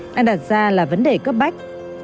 đang đặt ra là vấn đề cấp bách